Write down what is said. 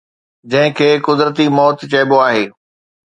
جنهن کي قدرتي موت چئبو آهي